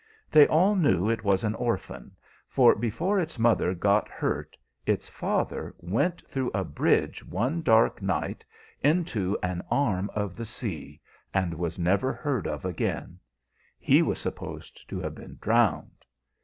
They all knew it was an orphan, for before its mother got hurt its father went through a bridge one dark night into an arm of the sea, and was never heard of again; he was supposed to have been drowned.